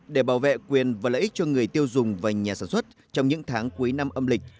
để bảo vệ quyền và lợi ích cho người tiêu dùng và nhà sản xuất trong những tháng cuối năm âm lịch